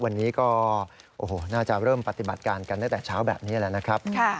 วันนี้ก็น่าจะเริ่มปฏิบัติการกันตั้งแต่เช้าแบบนี้แหละนะครับ